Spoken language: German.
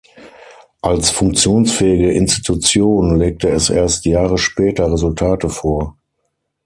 Als funktionsfähige Institution legte es erst Jahre später Resultate vor.